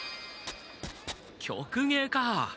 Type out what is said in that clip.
曲芸か！